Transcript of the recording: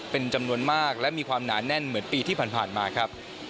เป็นจำนวนมากและมีความหนาแน่นเหมือนปีที่ผ่านมาครับ